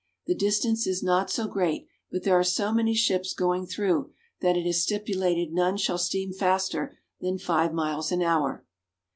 The distance is not so great, but there are so many ships going through that it is stipulated none shall steam faster than five miles an hour.